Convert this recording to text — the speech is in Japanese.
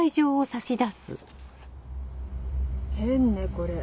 変ねこれ。